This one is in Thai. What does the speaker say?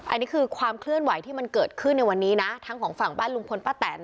อันนี้คือความเคลื่อนไหวที่มันเกิดขึ้นในวันนี้นะทั้งของฝั่งบ้านลุงพลป้าแตน